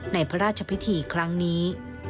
ในพระราชพิธีครั้งนี้